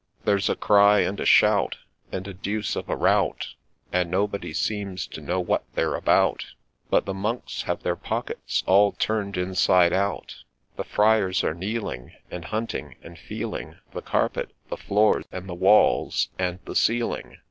THE JACKDAW OF RHEIMS 131 There 'a a cry and a shout, And a deuce of a rout, And nobody seems to know what they're about, But the Monks have their pockets all turn'd inside out. The Friars are kneeling, And hunting, and feeling The carpet, the floor, and the walls, and the ceiling.